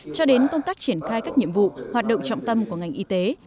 cho đến công tác triển khai các nhiệm vụ hoạt động trọng tâm của ngành y tế